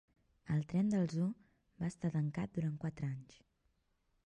El tren del zoo va estar tancat durant quatre anys.